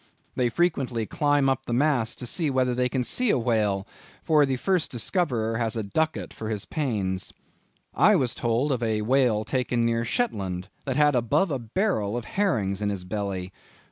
They frequently climb up the masts to see whether they can see a whale, for the first discoverer has a ducat for his pains.... I was told of a whale taken near Shetland, that had above a barrel of herrings in his belly....